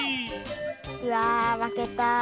うわまけた。